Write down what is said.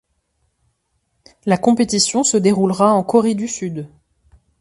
La compétition se déroulera en Corée du Sud.